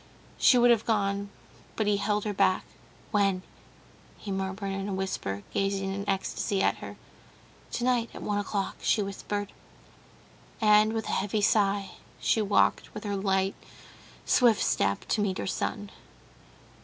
She would have gone, but he held her back. "When?" he murmured in a whisper, gazing in ecstasy at her. "Tonight, at one o'clock," she whispered, and, with a heavy sigh, she walked with her light, swift step to meet her son.